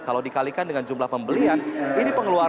kalau dikalikan dengan jumlah pembelian